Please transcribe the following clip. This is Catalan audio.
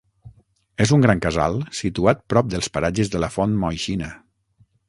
És un gran casal situat prop dels paratges de la Font Moixina.